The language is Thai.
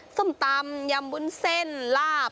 สำตำยำบุญเส้นลาบ